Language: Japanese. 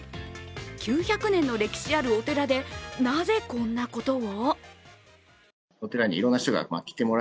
９００年の歴史あるお寺で、なぜこんなことを？